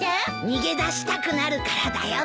逃げだしたくなるからだよ。